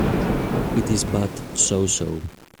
It is but so-so